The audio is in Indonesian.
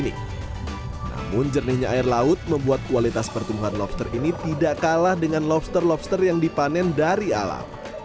namun jernihnya air laut membuat kualitas pertumbuhan lobster ini tidak kalah dengan lobster lobster yang dipanen dari alam